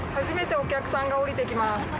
初めてお客さんが降りて来ます。